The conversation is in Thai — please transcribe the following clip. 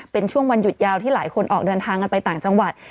เป็นช่วงวันหยุดยาวที่หลายคนออกเดินทางกันไปต่างจังหวัด